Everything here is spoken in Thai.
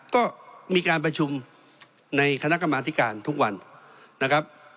ก็มีการประชุมในคณะกรรมาธิการทุกวันนะครับ